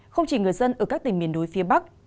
không chỉ người dân ở các tỉnh miền núi phía bắc